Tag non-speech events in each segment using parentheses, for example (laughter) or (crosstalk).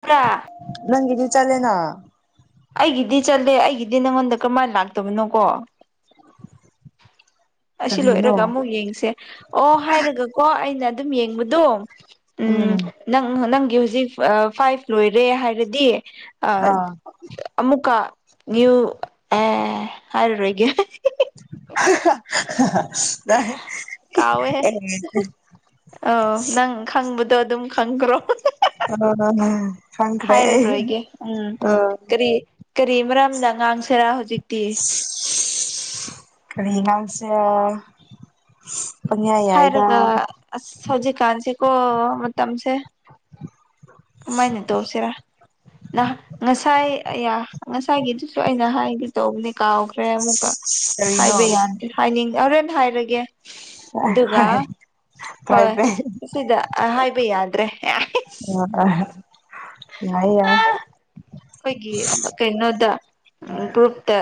ꯄꯨꯔꯥ ꯅꯪꯒꯤꯗꯤ ꯆꯠꯂꯤꯅꯣ ꯑꯩꯒꯤꯗꯤ ꯆꯠꯂꯦ ꯑꯩꯒꯤꯗꯤ ꯅꯪꯉꯣꯟꯗ ꯀꯃꯥꯏꯅ ꯂꯥꯛꯇꯕꯅꯣꯀꯣ ꯑꯁꯤ ꯂꯣꯏꯔꯒ ꯀꯔꯤꯅꯣ ꯑꯃꯨꯛ ꯌꯦꯡꯁꯦ ꯑꯣ ꯍꯥꯏꯔꯒꯀꯣ ꯑꯩꯅ ꯑꯗꯨꯝ ꯌꯦꯡꯕꯗꯣ ꯎꯝ ꯅꯪ ꯅꯪ ꯍꯧꯖꯤꯛ ꯐꯥꯏꯚ ꯂꯣꯏꯔꯦ ꯍꯥꯏꯔꯗꯤ ꯑ ꯑꯥ ꯑꯃꯨꯛꯀ ꯑꯦ ꯍꯥꯏꯔꯔꯣꯏꯒꯦ (inaudible) ꯀꯥꯎꯋꯦ ꯑ ꯅꯪ ꯈꯪꯕꯗ ꯑꯗꯣ ꯑꯗꯨꯝ ꯈꯪꯈ꯭ꯔꯣ ꯑꯣ ꯍ ꯍꯥꯏꯔꯔꯣꯏꯒꯦ ꯎꯝ ꯀꯔꯤ ꯀꯔꯤ ꯃꯔꯝꯅ ꯉꯥꯡꯁꯤꯔꯥ ꯍꯧꯖꯤꯛꯇꯤ ꯀꯔꯤ ꯉꯥꯡꯁꯤꯔ ꯄꯪꯌꯥ ꯌꯥꯏꯗ ꯁꯥꯏꯔꯒ ꯁꯖꯤꯛ ꯀꯥꯟꯁꯤ ꯀꯣ ꯃꯇꯝꯁꯦ ꯀꯃꯥꯏꯅ ꯇꯧꯁꯤꯔ ꯅꯍ ꯉꯁꯥꯏ ꯑ ꯉꯁꯥꯏꯒꯤꯗꯨꯁꯨ ꯑꯩꯅ ꯍꯥꯏꯒꯦ ꯇꯧꯕꯅꯦ ꯀꯥꯎꯈ꯭ꯔꯦ ꯑꯃꯨꯛꯀ ꯀꯔꯤꯅꯣ ꯍꯥꯏꯕ ꯌꯥꯗꯦ ꯍꯥꯏꯔ ꯍꯥꯏꯔꯒꯦ ꯑꯗꯨꯒ ꯍꯣꯏ ꯍꯣꯏ ꯄ꯭ꯔꯥꯏꯚꯦꯠ ꯁꯤꯗ ꯍꯥꯏꯕ ꯌꯥꯗ꯭ꯔꯦ ꯑ ꯑꯩꯈꯣꯏꯒꯤ ꯑ ꯌꯥꯏ ꯌꯥꯏ ꯑꯩꯈꯣꯏꯒꯤ ꯀꯩꯅꯣꯗ ꯒ꯭ꯔꯨꯞꯇ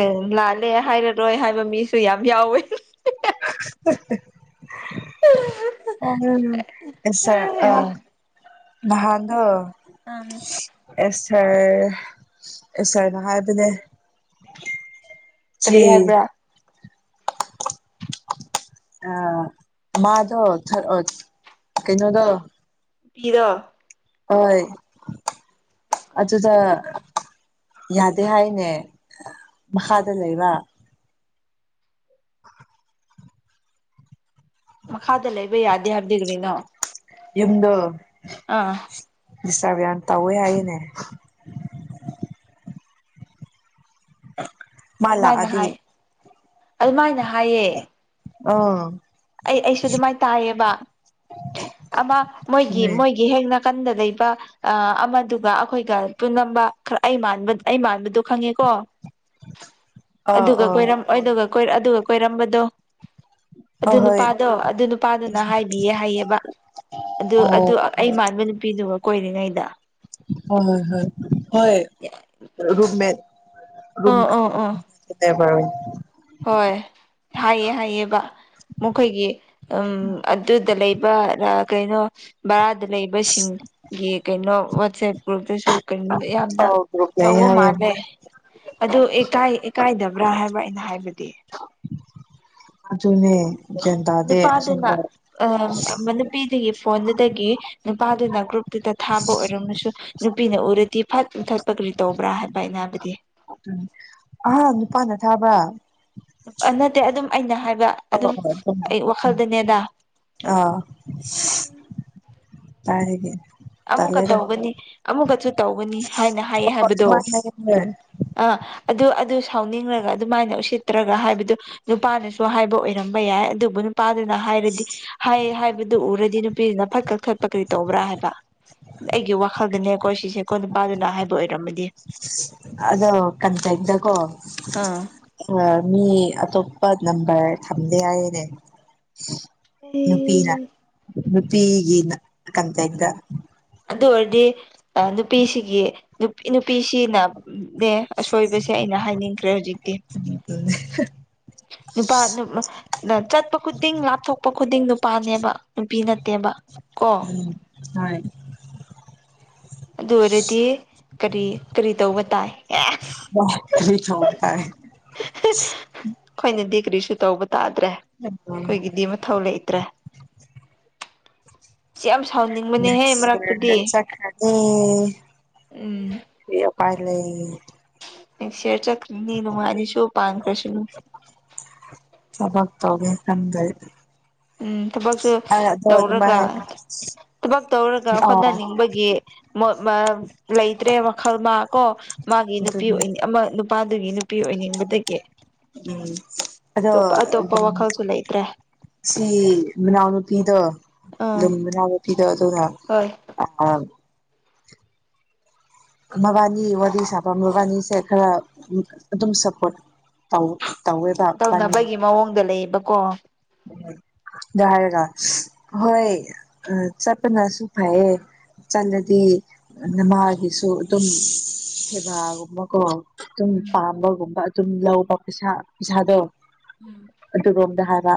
ꯑꯦ ꯂꯥꯜꯂꯦ ꯍꯥꯏꯔꯔꯣꯏ ꯍꯥꯏꯕ ꯃꯤꯁꯨ ꯌꯥꯝ ꯌꯥꯎꯋꯦ (inaudible) ꯑꯣ ꯑ ꯅꯥꯍꯟꯗꯣ ꯑ ꯁꯔ ꯁꯔꯅ ꯍꯥꯏꯕꯅꯦ ꯆꯤ ꯀꯔꯤ ꯍꯥꯏꯕ꯭ꯔꯥ ꯑ ꯃꯥꯗꯣ ꯀꯩꯅꯣꯗ ꯍꯤꯗꯣ ꯍꯣꯏ ꯑꯗꯨꯗ ꯌꯥꯗꯦ ꯍꯥꯏꯅꯦ ꯃꯈꯥꯗ ꯂꯩꯕ ꯃꯈꯥꯗ ꯂꯩꯕ ꯌꯥꯗꯦ ꯍꯥꯏꯕꯗꯤ ꯀꯔꯤꯅꯣ ꯌꯨꯝꯗꯣ ꯑꯥ ꯗꯤꯁꯇꯞ ꯌꯥꯝ ꯇꯧꯋꯦ ꯍꯥꯏꯅꯦ ꯃꯥ ꯑꯗꯨꯃꯥꯏꯅ ꯂꯥꯛꯑꯗꯤ ꯍꯥꯏ ꯑꯗꯨꯃꯥꯏꯅ ꯍꯥꯏꯌꯦ ꯑꯥ ꯑꯩ ꯑꯩꯁꯨ ꯑꯗꯨꯃꯥꯏꯅ ꯇꯥꯏꯌꯦꯕ ꯑꯃ ꯎꯝ ꯃꯣꯏꯒꯤ ꯃꯣꯏꯒꯤ ꯍꯦꯛꯅ ꯅꯀꯟꯗ ꯂꯩꯕ ꯑ ꯑꯃꯗꯨꯒ ꯑꯩꯈꯣꯏꯒ ꯄꯨꯂꯝꯕ ꯈꯔ ꯑꯩꯥ ꯃꯥꯟꯕ ꯑꯩ ꯃꯥꯟꯕꯗꯣ ꯈꯪꯉꯦꯀꯣ ꯑꯥ ꯑꯗꯨꯒ ꯑꯥ ꯀꯣꯏꯔꯝ ꯑꯗꯨꯒ ꯀꯣꯏꯔ ꯑꯗꯨꯒ ꯀꯣꯏꯔꯝꯕꯗꯣ ꯑꯗꯨ ꯑꯍꯣꯏ ꯅꯨꯄꯥꯗꯣ ꯑꯗꯨ ꯅꯨꯄꯥꯗꯨꯅ ꯍꯥꯏꯕꯤꯌꯦ ꯍꯥꯏꯌꯦꯕ ꯑꯗꯨ ꯑꯗꯨ ꯑꯣ ꯑꯩ ꯃꯥꯟꯕ ꯅꯨꯄꯤ ꯀꯣꯏꯅꯤ ꯅ ꯏꯗ ꯍꯣꯏ ꯍꯣꯏ ꯍꯣꯏ ꯍꯣꯏ ꯔꯨꯃꯦꯦꯟ ꯑꯣ ꯑꯣ ꯑꯣ ꯔꯕ ꯎ ꯍꯣꯏ ꯍꯥꯏꯌꯦ ꯍꯥꯏꯌꯦꯕ ꯃꯈꯣꯏꯒꯤ ꯎꯝ ꯑꯗꯨꯗ ꯂꯩꯕ ꯀꯩꯅꯣ ꯔ ꯂꯩꯕꯁꯤꯡ ꯌꯦ ꯀꯩꯅꯣ ꯋꯥꯣꯠꯁꯦꯄꯒ꯭ꯔꯨꯄꯦ ꯁ ꯀꯩꯅꯣ ꯌꯥꯝꯅ ꯑꯧ ꯒ꯭ꯔꯨꯞ ꯂꯩ ꯇꯧꯕ ꯍꯥꯏꯌꯦ ꯃꯥꯜꯂꯦ ꯑꯗꯨꯀꯥꯏꯀꯥꯏꯗꯕ꯭ꯔꯥ ꯍꯥꯏꯕ ꯑꯩꯅ ꯍꯥꯏꯕꯗ ꯑꯗꯨ ꯑꯗꯨꯅꯦ ꯒ꯭ꯌꯥꯟ ꯇꯥꯗꯦ ꯅꯨꯄꯥꯗꯨꯅ ꯑꯁꯦꯡꯕ ꯑ ꯅꯨꯄꯤꯗꯨꯒꯤ ꯐꯣꯟꯗꯒꯤ ꯅꯨꯄꯥꯗꯨꯅ ꯒ꯭ꯔꯨꯞꯇꯨꯗ ꯊꯥꯕ ꯑꯣꯏꯔꯝꯃꯁꯨ ꯅꯨꯄꯤꯅ ꯎꯔꯗꯤ ꯐꯠ ꯊꯠꯄ ꯀꯔꯤ ꯇꯧꯕ꯭ꯔꯥ ꯍꯥꯏꯕ ꯑꯩꯅ ꯍꯥꯏꯕꯗꯤ ꯑꯥ ꯅꯨꯄꯥꯅ ꯊꯥꯕ ꯅꯠꯇꯦ ꯑꯗꯨꯝ ꯑꯩꯅ ꯍꯥꯏꯕ ꯍ ꯍ ꯑꯗꯨꯝ ꯑꯗꯨ ꯑꯩ ꯋꯥꯈꯜꯗꯅꯦꯗ ꯑꯥ ꯇꯥꯏ ꯍꯦꯒꯦ ꯑꯃꯨꯛꯀ ꯇꯧꯒꯅꯤ ꯑꯃꯨꯛꯀꯁꯨ ꯇꯧꯒꯅꯤ ꯍꯥꯏꯅ ꯍꯥꯏꯌꯦ ꯍꯣꯏ ꯍꯥꯏꯕꯗꯣ ꯑꯗꯨꯃꯥꯏꯅ ꯍꯥꯏꯌꯦ ꯑ ꯑꯗꯨ ꯑꯗꯨ ꯁꯥꯎꯅꯤꯡꯂꯒ ꯑꯗꯨꯃꯥꯏꯅ ꯎꯁꯤꯠꯇ꯭ꯔꯒ ꯍꯥꯏꯕꯗꯨ ꯅꯨꯄꯥꯅꯁꯨ ꯍꯥꯏꯕ ꯑꯣꯏꯔꯝꯕ ꯌꯥꯏ ꯑꯗꯨꯕꯨ ꯄꯥꯥꯗꯅ ꯍꯥꯏꯔꯗꯤ ꯍꯥꯏ ꯍꯥꯏꯕꯗꯨ ꯎꯔꯗꯤꯅ ꯅꯨꯄꯤꯁꯤꯅ ꯐꯠ ꯀꯛ ꯊꯠꯄ ꯀꯔꯤ ꯇꯧꯕ꯭ꯔꯥ ꯍꯥꯏꯕ ꯑꯩꯒꯤ ꯋꯥꯈꯜꯗꯅꯦꯀꯣ ꯁꯤꯁꯦꯀꯣ ꯅꯨꯄꯥꯗꯨꯅ ꯍꯥꯏꯕ ꯑꯣꯏꯔꯝꯃꯗꯤ ꯑꯗꯣ ꯀꯇ ꯏꯗꯒꯣ ꯑꯥ ꯑ ꯃꯤ ꯑꯇꯣ ꯄ ꯅꯝꯕꯔ ꯊꯝꯗꯦ ꯍꯥꯏꯅꯦ ꯅꯨꯄꯤꯅ ꯅꯨꯄꯤꯒꯤꯅ ꯀꯟꯇꯛꯇ ꯑꯗꯨ ꯑꯣꯏꯔꯗꯤ ꯅꯨꯄꯤꯁꯤꯒꯤ ꯅꯨꯄꯤꯁꯤꯅ ꯑꯁꯣꯏꯕꯁꯦ ꯑꯩꯅ ꯍꯥꯏꯅꯤꯡꯈ꯭ꯔꯦ ꯍꯧꯖꯤꯛꯇꯤ ꯎꯝ ꯅꯨꯄꯥ ꯆꯠꯄ ꯈꯨꯗꯤꯡ ꯂꯥꯞꯊꯣꯛꯄ ꯈꯨꯗꯤꯡ ꯄꯅꯦꯕ ꯅꯨꯄꯤ ꯅꯠꯇꯦꯕ ꯀꯣ ꯎꯝ ꯍꯣꯏ ꯑꯗꯨ ꯑꯣꯏꯔꯗꯤ ꯀꯔꯤ ꯀꯔꯤ ꯇꯧꯕ ꯇꯥꯏ ꯍ ꯀꯔꯤ ꯇꯧꯕ ꯇꯥꯏ ꯎ ꯑꯩꯈꯣꯏꯅꯗꯤ ꯀꯔꯤꯁꯨ ꯇꯧꯕ ꯇꯥꯗ꯭ꯔꯦ ꯑꯩꯈꯣꯏꯒꯤꯗꯤ ꯃꯊꯧ ꯂꯩꯇꯦ ꯇꯔ꯭ꯦ ꯎꯝ ꯆꯠꯈꯔ꯭ꯥꯅꯤ ꯄꯥꯏ ꯂꯩ ꯁꯦꯔ ꯆꯠ ꯅꯤ ꯑꯗꯨꯨ ꯃꯥꯔꯤ ꯁꯣ ꯄꯥꯡ ꯀ꯭ꯔꯁꯤ ꯊꯕꯛ (unintelligible) ꯎꯝ ꯊꯕꯛꯁꯨ ꯑꯗꯣ ꯑꯗꯨꯃꯥꯏ ꯇꯧꯔꯒ ꯍꯥꯏ ꯊꯕꯛ ꯇꯧꯔꯒ ꯑꯥ ꯍꯣꯠꯅꯅꯤꯡꯕꯒꯤ ꯃ ꯃ ꯂꯩꯇ꯭ꯔꯦ ꯋꯥꯈꯜ ꯃꯥ ꯀꯣ ꯃꯥꯒꯤ ꯅꯨꯄꯤ ꯑꯗꯨꯅꯦ ꯑꯣꯏꯅꯤ ꯑꯃ ꯅꯨꯄꯥꯗꯨꯒꯤ ꯅꯨꯄꯤ ꯑꯣꯏꯅꯤꯡꯕꯗꯒꯤ ꯎꯝ ꯑꯗꯣ ꯑꯇꯣꯞꯄ ꯑꯇꯣꯞꯄ ꯋꯥꯈꯜꯁꯨ ꯂꯩꯇ꯭ꯔꯦ ꯁꯤ ꯃꯅꯥꯎꯅꯨꯄꯤꯗꯣ ꯑꯥ ꯑꯗꯨꯝ ꯃꯅꯥꯎꯅꯨꯄꯤꯗꯣ ꯑꯗꯨꯅ ꯍꯣꯏ ꯑ ꯃꯕꯥꯅꯤ ꯋꯥꯔꯤ ꯁꯥꯕ ꯃꯕꯥꯅꯤꯁꯦ ꯈꯔ ꯑꯗꯨꯝ ꯁꯄꯣꯔꯠ ꯇꯧ ꯇꯧꯋꯦꯕ ꯏꯕꯥꯅꯤ ꯇꯧꯅꯕꯒꯤ ꯃꯑꯣꯡꯗ ꯂꯩꯌꯦꯕꯀꯣ ꯑꯗꯨ ꯍꯥꯏꯔꯒ ꯍꯣꯏ ꯆꯠꯄꯅꯁꯨ ꯐꯩꯌꯦ ꯆꯠꯂꯗꯤ ꯅꯃꯥꯒꯤꯁꯨ ꯑꯗꯨꯝ ꯁꯦꯕꯥꯒꯨꯝꯕꯀꯣ ꯑꯗꯨꯝ ꯄꯥꯝꯕꯒꯨꯝꯕ ꯑꯗꯨꯝ ꯂꯧꯕ ꯄꯩꯁꯥ ꯄꯩꯁꯥꯗꯣ ꯑꯗꯨꯒꯝꯗ ꯍꯥ ꯋꯥ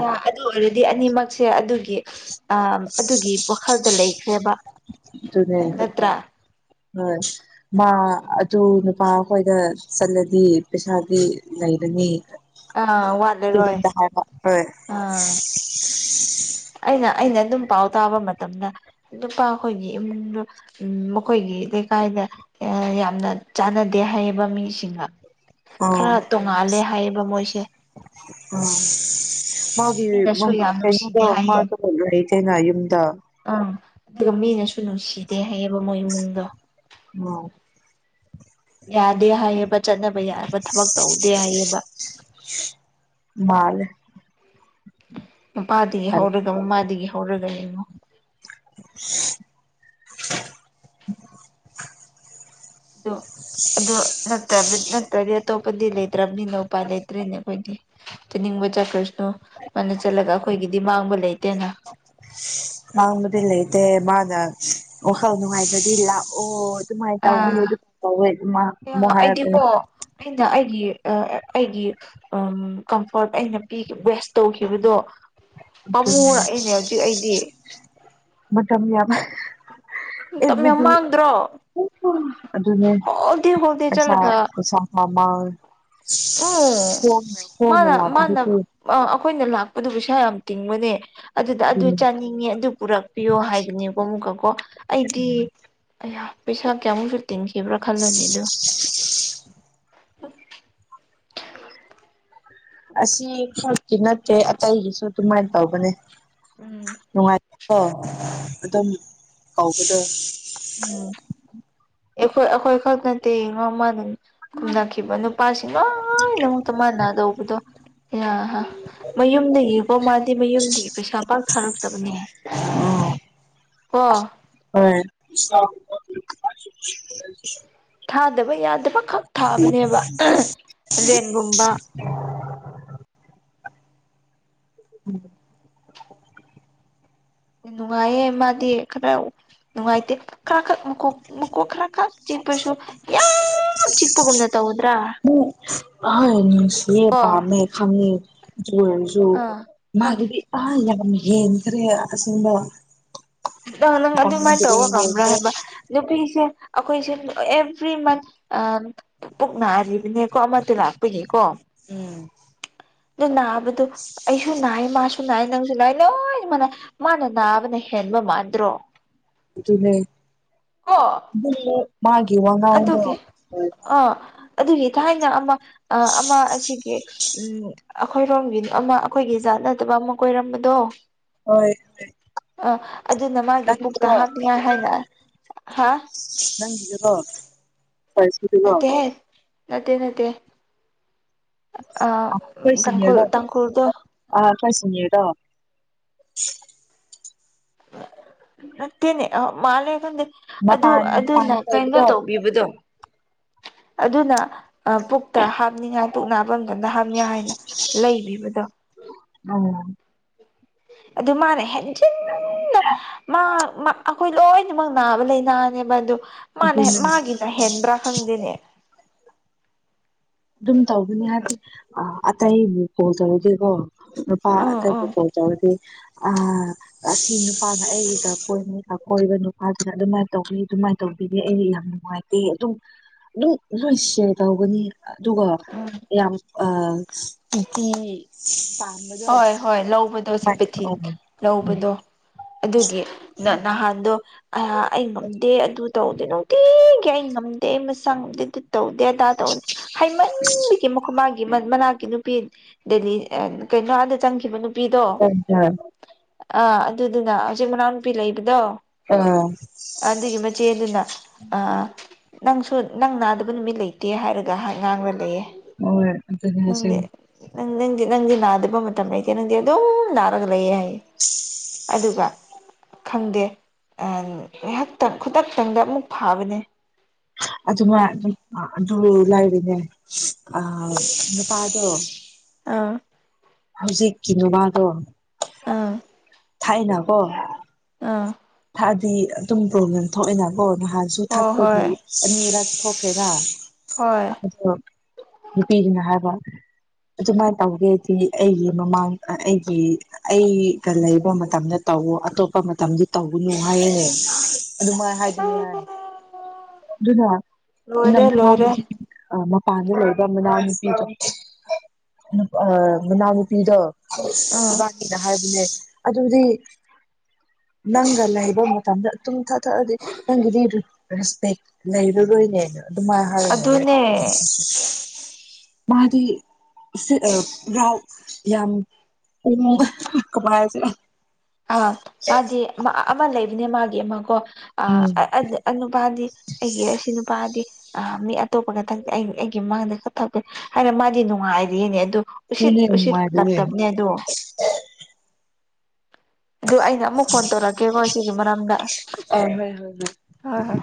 ꯌꯥ ꯑꯗꯨ ꯑꯣꯏꯔꯗꯤ ꯑꯅꯤꯃꯛ ꯁꯦ ꯑꯗꯨ ꯑ ꯑꯗꯨꯒꯤ ꯋꯥꯈꯜꯗ ꯂꯩ ꯈꯔ꯭ꯦꯕ ꯑꯗꯨꯅꯦ ꯍꯣꯏ ꯃꯥ ꯑꯗꯨ ꯅꯨꯄꯥ ꯑꯩꯈꯣꯏꯗ ꯆꯠꯂꯗꯤ ꯄꯩꯁꯥꯗꯤ ꯂꯩꯔꯅꯤ ꯑꯥ ꯋꯥꯠꯂꯔꯣꯏ ꯇꯔꯝꯗꯔ ꯍꯣꯏ (inaudible) ꯑꯥ ꯑꯩꯅ ꯑꯩꯅ ꯑꯗꯨꯝ ꯄꯥꯎ ꯇꯥꯕ ꯃꯇꯝꯗ ꯅꯨꯄꯥ ꯑꯩꯈꯣꯏꯒꯤ ꯏꯃꯨꯡꯗꯣ ꯃꯈꯣꯏꯒꯤ ꯂꯩꯀꯥꯏꯗ ꯌꯥꯝꯅ ꯆꯥꯟꯅꯗꯦ ꯍꯥꯏꯌꯦꯕ ꯃꯤꯁꯤꯡꯒ ꯈꯔ ꯇꯣꯡꯉꯥꯜꯂꯦ ꯍꯥꯏ ꯀꯃꯣꯏꯁꯦ ꯑ ꯃꯥꯒꯤ ꯃꯤꯅꯁꯨ ꯌꯥꯝ ꯀꯩꯅꯣꯗ ꯅꯨꯡꯁꯤꯗꯦ ꯍꯥꯏꯌꯦ ꯃꯥꯗꯣ ꯂꯩ ꯀꯩꯅ ꯌꯨꯝꯗ ꯑꯪ ꯑꯗꯨꯒ ꯃꯤꯅꯁꯨ ꯅꯨꯡꯁꯤꯗꯦ ꯍꯥꯏꯌꯦꯕ ꯃꯣꯏ ꯏꯃꯨꯡꯗꯣ ꯎ ꯌꯥꯗꯦ ꯍꯥꯏꯌꯦ ꯆꯠꯅꯕ ꯌꯥꯕ ꯊꯕꯛ ꯇꯧꯗꯦ ꯍꯥꯏꯌꯦꯕ ꯃꯥꯜꯂꯦ ꯃꯄꯥꯗꯒꯤ ꯍꯧꯔꯒ ꯃꯃꯥꯗꯒꯤ ꯇꯧꯔꯒ ꯏꯅꯣ (unintelligible) (inaudible) ꯑ ꯑꯗꯨ ꯅ꯭ꯔꯗꯤ ꯑꯇꯣꯞꯄꯗꯤ ꯂꯩꯇ꯭ꯔꯕꯅꯤꯅ ꯎꯄꯥꯥꯏ ꯂꯩꯇ꯭ꯔꯔꯤꯅꯦ ꯑꯩꯈꯣꯏꯗꯤ ꯅꯤꯡꯕ ꯆꯆꯥ ꯀ ꯃꯥꯅ ꯆꯠꯂꯒ ꯑꯩꯈꯣꯏꯒꯤꯗꯤ ꯃꯥꯡꯕ ꯂꯩꯇ ꯠꯇꯅ ꯃꯥꯡꯕꯗꯤ ꯂꯩꯇꯦ ꯃꯥꯅ ꯋꯥꯈꯜ ꯅꯨꯡꯉꯥꯏꯕꯗꯤ ꯂꯥꯛꯑꯣ ꯑꯗꯨꯃꯥꯏꯅ ꯇꯧꯋꯦ ꯑꯥ ꯑꯗꯨꯃꯥꯏꯅ ꯇꯧꯋꯦ ꯑꯗꯨ ꯑꯃꯨꯛ ꯍꯥꯏꯔꯛꯀꯅꯤ ꯑꯩꯗꯤꯀꯣ ꯑꯩꯅ ꯑꯩꯒꯤ ꯑꯩꯒꯤ ꯀꯝꯐꯣꯔꯠ ꯑꯩꯅ ꯄ ꯋꯦꯁ ꯇꯧꯈꯤꯕꯗꯣ ꯑꯗꯨꯅꯦ ꯄꯥꯝꯃꯨꯔꯛꯏꯅꯦ ꯍꯧꯖꯤꯛ ꯑꯩꯗꯤ ꯃꯖꯝꯕꯤ ꯌꯥꯕ ꯃꯇꯝ ꯌꯥꯝ ꯑꯦꯚ꯭ꯔꯤꯗꯦ ꯃꯥꯡꯗ꯭ꯔꯣ ꯑꯗꯨꯅꯦ ꯍꯣꯜ ꯗꯦ ꯍꯣꯜ ꯗꯦ ꯄꯩꯁꯥ ꯆꯠꯂꯒ ꯄꯩꯁꯥꯥꯕ (inaudible) (unintelligible) ꯎꯝ ꯃꯥꯅ ꯃꯥꯗ ꯂꯥꯛꯄꯗꯨꯗꯤ ꯑꯩꯈꯣꯏꯅ ꯂꯥꯛꯄꯗꯨ ꯄꯩꯁꯥ ꯌꯥꯝ ꯇꯤꯡꯕꯅꯦ ꯑꯗꯨꯗ ꯑꯗꯨ ꯑꯗꯨꯅꯦ ꯆꯥꯅꯤꯡꯉꯦ ꯑꯗꯨ ꯄꯨꯔꯛꯄꯤꯌꯣ ꯍꯥꯏꯗꯨꯅꯦꯀꯣ ꯑꯃꯨꯛꯀꯀꯣ ꯑꯩꯗꯤ ꯄꯩꯁꯥ ꯀꯌꯥ ꯑꯃꯨꯁꯨ ꯇꯤꯟꯈꯤꯕ꯭ꯔꯥ ꯈꯜꯂꯨꯅꯦ ꯑꯗꯨ ꯑꯁꯤ ꯈꯔꯀꯤ ꯅꯠꯇꯦ ꯑꯇꯩꯒꯤꯁꯨ ꯑꯗꯨꯃꯥꯏꯅ ꯇꯧꯕꯅꯦ ꯎꯝ ꯑ ꯑꯗꯨꯝ ꯀꯥꯎꯒꯗꯣꯏ ꯎꯝ ꯑꯩꯈꯣꯏ ꯑꯩꯈꯣꯏ ꯈ ꯅꯠꯇ ꯃꯃ ꯈꯨꯝꯅꯈꯤꯕ ꯅꯨꯄꯥꯁꯤꯡ ꯂꯣꯏꯅꯃꯛꯇ ꯃꯥꯟꯅꯗꯧꯕꯗꯣ ꯌꯥ ꯃꯌꯨꯝꯗꯒꯤꯀꯣ ꯃꯥꯗꯤ ꯃꯌꯨꯝꯗꯒꯤ ꯄꯩꯁꯥ ꯄꯥꯛ ꯑꯣ ꯍ ꯍꯣꯏ ꯌꯥꯗꯕ ꯌꯥꯗꯕ ꯈꯛ ꯊꯥꯕꯅꯦꯕ ꯔꯦꯟꯒꯨꯝꯕ ꯎꯝ (inaudible) ꯅꯨꯡꯉꯥꯏꯌꯦ ꯃꯥꯗꯤ ꯈꯔ ꯅꯨꯡꯥꯏꯇꯦ ꯈꯔꯥ ꯈꯛ ꯣꯛ ꯃꯀꯣꯛ ꯈꯔ ꯈꯛ ꯆꯤꯛꯄꯁꯨ ꯌꯥꯝ ꯆꯤꯛꯄꯒꯨꯝꯅ ꯇꯧꯒꯗ꯭ꯔꯥ ꯑ ꯁꯤ ꯄꯝꯃꯦ ꯈꯪꯉꯦ ꯁꯨ ꯑꯥ ꯈꯪ ꯃꯒꯤꯗꯤ ꯑ ꯍꯦꯟ ꯈꯔꯦ ꯑꯁꯤꯃꯕ ꯑꯪ ꯅꯪ ꯑꯗꯨꯃꯥꯏꯅ ꯇꯧꯕ ꯉꯝꯕ꯭ꯔꯥ ꯍꯥꯏꯕ ꯑꯗꯨ ꯅꯨꯄꯤ ꯁꯦ ꯑꯩꯈꯣꯏꯁꯦ ꯑꯦꯚ꯭ꯔꯤ ꯃꯟ ꯄꯨꯛ ꯅꯔꯤꯕꯅꯦꯕꯀꯣ ꯑꯃꯗꯣ ꯂꯥꯛꯄꯅꯦꯀꯣ ꯎꯝ ꯑꯗꯨ ꯅꯥꯕꯗꯣ ꯑꯩꯁꯨ ꯅꯥꯏ ꯃꯥꯁꯨ ꯅꯥꯏ ꯅꯪꯁꯨ ꯅꯥꯏ ꯂꯣꯏ ꯃꯅꯩ ꯃꯥꯅ ꯅꯥꯕꯅ ꯍꯦꯟꯕ ꯃꯥꯟꯗ꯭ꯔꯣ ꯑꯗꯨꯅꯦ ꯀꯣ ꯑꯗꯨ ꯃꯥꯒꯤ ꯋꯉꯥꯡꯗꯣ ꯑꯗꯨꯒꯤ ꯑꯥ ꯑꯗꯨꯒꯤ ꯊꯥꯏꯅ ꯑꯃ ꯑ ꯑꯃ ꯑꯁꯤꯒꯤꯒ ꯎꯝ ꯑꯩꯈꯣꯏꯔꯣꯝꯒꯤ ꯑꯃ ꯑꯩꯈꯣꯏꯒꯤ ꯖꯥꯠꯅꯗꯕ ꯑꯃ ꯀꯣꯏꯔꯝꯕꯗꯣ ꯍꯣꯏ ꯍꯣꯏ ꯑ ꯑꯗꯨꯅ ꯃꯥꯒꯤ ꯄꯨꯛꯇ ꯍꯥꯞꯅꯤꯉꯥꯏ ꯍꯥꯏꯅ ꯍꯥ ꯀꯣ ꯐꯔꯁꯀꯤꯗꯤꯀꯣ ꯅꯠꯇꯦꯍꯦ ꯅꯠꯇꯦ ꯅꯠꯇꯦ ꯑ ꯑꯩꯈꯣꯏ ꯇꯥꯡꯀꯨꯜ ꯁꯤꯅꯤꯌꯔꯗꯣ ꯇꯥꯡꯀꯨꯜꯗ ꯑꯥ ꯁꯤꯅꯤꯌꯔꯗꯣ ꯅꯠꯇꯦꯅꯦ ꯃꯥꯜꯂꯦ ꯑꯗꯨ ꯃꯄꯥꯟ ꯑꯗꯨꯅ ꯃꯄꯥꯟꯗ ꯀꯩꯅꯣ ꯂꯩꯕꯗꯣ ꯇꯧꯕꯤꯕꯗꯣ ꯑꯗꯨꯅ ꯄꯨꯛꯇ ꯍꯥꯞꯅꯤꯡꯉꯥꯏ ꯄꯨꯛ ꯅꯥꯐꯝ ꯑꯗꯨꯇ ꯍꯥꯞꯅꯤ ꯍꯥꯏꯅ ꯂꯩꯕꯤꯕꯗꯣ ꯎꯝ ꯑꯗꯨ ꯃꯥꯅ ꯍꯦꯟ ꯖꯤꯟꯅ ꯃꯥ ꯑꯩꯈꯣꯏ ꯂꯣꯏꯅꯃꯛ ꯅꯥꯕ ꯂꯩꯅꯥꯅꯦꯕ ꯑꯗꯨ ꯃꯥꯅꯦ ꯑꯗꯨꯅꯦ ꯃꯥꯒꯤꯅ ꯍꯦꯟꯕ꯭ꯔꯥ ꯈꯪꯗꯦꯅꯦ ꯑꯗꯨꯝ ꯇꯧꯒꯅꯤ ꯍꯥꯏꯗꯤ ꯑꯇꯩ ꯀꯣꯜ ꯇꯧꯔꯒꯦꯀꯣ ꯄꯥ ꯎꯝ ꯑꯇꯩ ꯎꯝ ꯀꯣꯜ ꯇꯧꯔꯗꯤ ꯑ ꯑꯁꯤ ꯅꯨꯄꯥꯅ ꯑꯩꯗꯥꯛ ꯀꯣꯏꯕꯗ ꯀꯣꯏꯕ ꯅꯨꯄꯥꯁꯤꯅ ꯑꯗꯨꯃꯥꯏꯅ ꯇꯧꯕꯤ ꯑꯗꯨꯃꯥꯏꯅ ꯇꯧꯕꯤꯅꯦ ꯑꯩ ꯌꯥꯝ ꯅꯨꯡꯉꯥꯏꯇꯦ ꯑꯗꯨꯝ ꯑꯗꯨꯝ ꯂꯣꯏ ꯁꯤꯌꯔ ꯇꯧꯒꯅꯤ ꯑꯗꯨꯒ ꯎꯝ ꯌꯥꯝ ꯑꯥ ꯏ (unintelligible) ꯍꯣꯏ ꯍꯣꯏ ꯂꯧꯕꯗꯣ ꯁꯤꯝꯄꯦꯊꯤꯟ ꯂꯧꯕꯗꯣ ꯑꯗꯨꯒꯤ ꯅ ꯅꯍꯥꯟꯗꯣ ꯑ ꯑꯩ ꯉꯝꯗꯦ ꯑꯗꯨ ꯇꯧꯗꯦ ꯅꯨꯡꯇꯤꯒꯤ ꯑꯩ ꯉꯝꯗꯦ ꯑꯩ ꯃꯁꯥ ꯉꯝꯗꯦ ꯇꯧꯗꯦ ꯑꯗꯥ ꯇꯧꯗꯦ ꯍꯥꯏꯃꯟ ꯃꯥꯒꯤ ꯃꯅꯥꯛꯀꯤ ꯅꯨꯄꯤ ꯗꯦꯂꯤ ꯀꯩꯅꯣ ꯑꯥꯗ ꯆꯪꯈꯤꯕ ꯅꯨ (unintelligible) ꯑꯥ ꯑꯗꯨꯗꯨꯅ ꯍꯧꯖꯤꯛ ꯃꯅꯥꯎꯅꯨꯄꯤ ꯂꯩꯕꯗꯣ ꯑ ꯑꯗꯨꯒꯤ ꯃꯆꯦꯗꯨꯅ ꯑ ꯅꯪꯁꯨ ꯅꯪ ꯅꯥꯗꯕ ꯅꯨꯃꯤꯠ ꯂꯩꯇꯦ ꯍꯥꯏꯔꯒ ꯉꯥꯡꯂ ꯂꯩꯌꯦ ꯑꯣ ꯑꯗꯨꯅꯦ ꯍꯥꯏꯁꯦ ꯅꯪꯗꯤ ꯅꯪ ꯅꯪꯗꯤ ꯅꯗꯕ ꯅꯥꯗꯕ ꯃꯇꯝ ꯂꯩꯇꯦ ꯅꯪꯗꯤ ꯑꯗꯨꯝ ꯅꯥꯒ ꯂꯩꯌꯦ ꯍꯥꯏ ꯑꯗꯨꯒ ꯈꯪꯗꯦ ꯉꯥꯏꯍꯥꯛꯇꯪ ꯈꯨꯗꯛꯇꯪꯗ ꯑꯃꯨꯛ ꯐꯥꯕꯅꯦ ꯑꯗꯨꯃ ꯑꯗꯨ ꯍ ꯂꯥꯏꯕꯅꯦ ꯑ ꯅꯨꯄꯥꯗꯣ ꯑꯥ ꯍꯧꯖꯤꯛꯀꯤ ꯅꯨꯄꯥꯗꯣ ꯑꯥ (inaudible) ꯊꯥꯏꯅ ꯀꯣ ꯑꯥ ꯍꯥꯏꯗꯤ ꯑꯗꯨꯝ ꯄ꯭ꯔꯣꯕ꯭ꯂꯦꯝ ꯊꯣꯛꯏꯅꯕꯀꯣ ꯅꯍꯥꯟꯁꯨ ꯊꯥꯛꯄꯒꯤ ꯍꯣꯏ ꯑ ꯄꯣꯀꯦꯗꯥꯥ ꯍꯣꯏ ꯑꯣ ꯅꯨꯄꯤꯒꯤꯅꯦ ꯍꯥꯏꯕ ꯑꯗꯨꯃꯥꯏꯅ ꯇꯧꯒꯦꯗꯤ ꯑꯩꯒꯤ ꯃꯃꯥꯡ ꯑꯩꯒꯤ ꯑꯩꯒ ꯂꯩꯕ ꯃꯇꯝꯗ ꯇꯧꯋꯣ ꯑꯇꯣꯞꯄ ꯃꯇꯝꯗꯤ ꯇꯧꯒꯕꯅꯨ ꯍꯥꯏꯌꯦ ꯑꯗꯨꯃꯥꯏꯅ ꯍꯥꯏꯗꯤ ꯍꯣꯏ ꯌꯥꯔꯦ ꯑꯗꯨꯅ ꯂꯣꯏꯔꯦ ꯂꯣꯏꯔꯦ ꯏ ꯑ ꯃꯄꯥꯟꯗ ꯂꯩꯕ ꯃꯅꯥꯎ ꯅꯨꯄꯤꯗꯣ ꯃꯅꯥꯎ ꯅꯨꯄꯤꯗꯣ ꯑꯥ ꯏꯕꯥꯅꯤꯅ ꯍꯥꯏꯕꯅꯦ ꯑꯗꯨꯗꯤ ꯅꯪꯒ ꯂꯩꯕ ꯃꯇꯝꯗ ꯑꯗꯨꯨꯝ ꯊꯛ ꯊꯛꯑꯗꯤ ꯅꯪꯒꯤꯗꯤ ꯔꯦꯁꯄꯦꯛ ꯂꯩꯔꯔꯣꯏꯅꯦ ꯑꯗꯨꯃꯥꯏꯅ ꯍꯥꯏꯔꯒꯦ ꯑꯗꯨꯅꯦ ꯃꯥꯗꯤ ꯔꯥꯎ ꯌꯥꯝ ꯎꯕ ꯀꯃꯥꯏꯅꯁ ꯑ ꯃꯗꯤ ꯑꯃ ꯂꯩꯕꯅꯦ ꯃꯥꯒꯤ ꯑꯃ ꯀꯣ ꯎꯝ ꯑ ꯅꯨꯄꯥꯗꯤ ꯑꯩꯒꯤ ꯑꯁꯤ ꯅꯨꯄꯥꯗꯤ ꯑ ꯃꯤ ꯑꯇꯣꯞꯄꯒ ꯊꯛꯇꯦ ꯑꯩ ꯑꯩꯒꯤ ꯃꯃꯥꯡꯗ ꯈꯛ ꯊꯛꯄꯅꯦ ꯍꯥꯏꯔ ꯃꯥꯗꯤ ꯅꯨꯡꯉꯥꯏꯔꯤꯅꯦ ꯑꯗꯨ ꯎꯁꯤꯠ ꯑꯗꯨꯨꯅꯦ ꯎꯁꯤꯠ ꯅꯨꯡꯉꯥꯏꯔꯤꯌꯦ ꯂꯛꯇꯕꯅꯦ ꯑꯗꯣ ꯑꯗꯨ ꯑꯩꯅ ꯑꯃꯨꯛ ꯐꯣꯟ ꯇꯧꯔꯛꯀꯦꯀꯣ ꯁꯤꯒꯤ ꯃꯔꯝꯗ ꯑ ꯍꯣꯏ ꯍꯣꯏ ꯍꯣꯏ ꯍꯣꯏ